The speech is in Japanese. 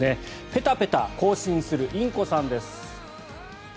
ペタペタ行進するインコさんです。